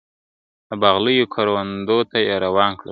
د باغلیو کروندو ته یې روان کړل ..